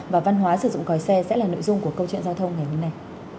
và văn hóa sử dụng còi xe sẽ là nội dung của câu chuyện giao thông ngày hôm nay